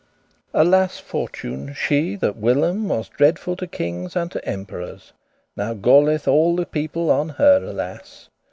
Alas, Fortune! she that whilom was Dreadful to kinges and to emperours, Now galeth* all the people on her, alas!